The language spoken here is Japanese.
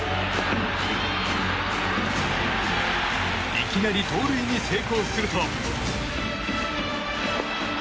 いきなり盗塁に成功すると。